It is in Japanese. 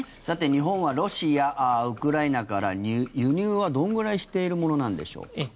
さて、日本はロシア、ウクライナから輸入はどのぐらいしているものなんでしょうか。